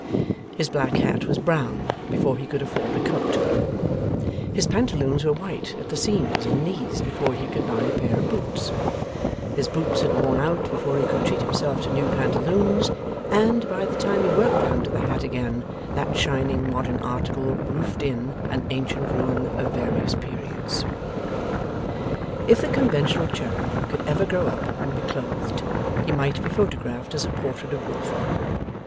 His black hat was brown before he could afford a coat, his pantaloons were white at the seams and knees before he could buy a pair of boots, his boots had worn out before he could treat himself to new pantaloons, and, by the time he worked round to the hat again, that shining modern article roofed in an ancient ruin of various periods. If the conventional Cherub could ever grow up and be clothed, he might be photographed as a portrait of Wilfer.